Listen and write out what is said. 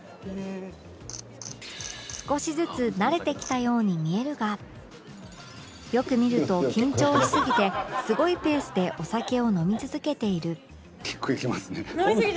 少しずつ慣れてきたように見えるがよく見ると緊張しすぎてすごいペースでお酒を飲み続けている